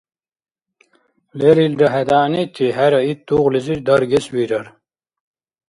Лерилра хӀед гӀягӀнити хӀера ит тугълизир даргес вирар